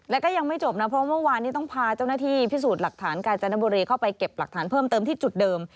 แล้วก็ยังไม่จบนะเพราะเมื่อวานนี้ต้องพาเจ้าหน้าที่พิสูจน์หลักฐานกาญจนบุรีเข้าไปเก็บหลักฐานเพิ่มเติมที่จุดเดิม